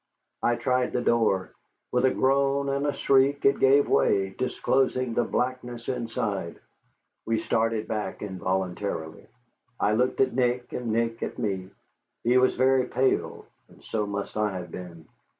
I tried the door. With a groan and a shriek it gave way, disclosing the blackness inside. We started back involuntarily. I looked at Nick, and Nick at me. He was very pale, and so must I have been.